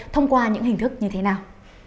thông qua những hình thức như thế nào